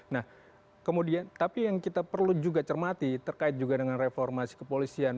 nah kemudian tapi yang kita perlu juga cermati terkait juga dengan reformasi kepolisian